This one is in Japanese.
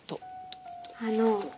あの。